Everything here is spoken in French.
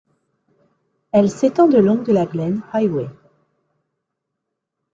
Elle s'étend le long de la Glenn Highway.